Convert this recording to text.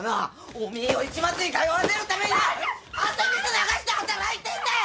おめえを市松に通わせるためにな汗水流して働いてんだよ！